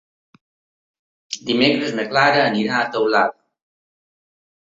Dimecres na Clara anirà a Teulada.